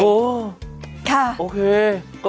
เออโหค่ะเฉย